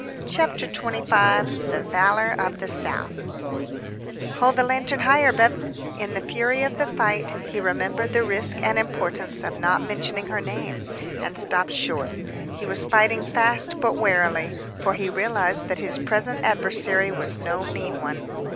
CHAPTER XXV THE VALOR OF THE SOUTH "Hold the lantern higher, Bev " In the fury of the fight, he remembered the risk and importance of not mentioning her name, and stopped short. He was fighting fast but warily, for he realized that his present adversary was no mean one.